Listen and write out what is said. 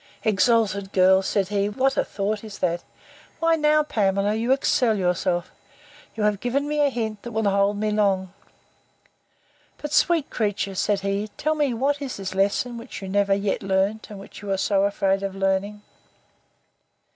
Exalted girl! said he, what a thought is that!—Why, now, Pamela, you excel yourself! You have given me a hint that will hold me long. But, sweet creature, said he, tell me what is this lesson, which you never yet learnt, and which you are so afraid of learning?